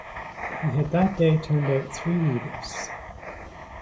He had that day turned out three readers.